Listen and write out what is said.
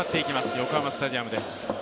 横浜スタジアムです。